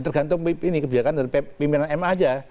tergantung kebijakan dari pimpinan ma saja